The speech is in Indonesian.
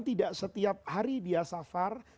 tidak setiap hari dia berpulang ke sana